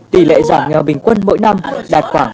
tỷ lệ giảm nhau bình quân mỗi năm đạt khoảng một mươi